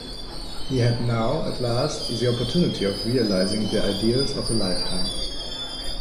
He had now, at last, the opportunity of realizing the ideals of a lifetime.